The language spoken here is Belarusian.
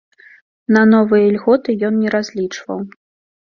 На новыя ільготы ён не разлічваў.